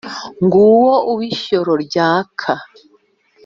Nguwo uw'ishyoro ryaka.